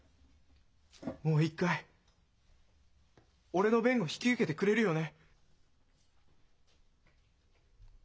もう一回俺の弁護引き受けてくれるよね？